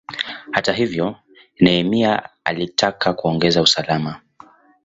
Hata hivyo, Nehemia alitaka kuongeza usalama.